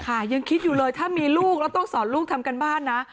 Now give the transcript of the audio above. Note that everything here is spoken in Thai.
ยังคิดอยู่เลยถ้ามีลูกแล้วต้องสอนลูกทำการบ้านนะ